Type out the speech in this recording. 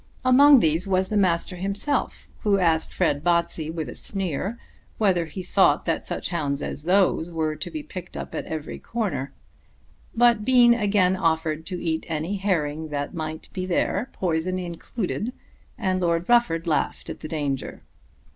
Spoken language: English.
Among these was the Master himself, who asked Fred Botsey with a sneer whether he thought that such hounds as those were to be picked up at every corner. But Bean again offered to eat any herring that might be there, poison included, and Lord Rufford laughed at the danger.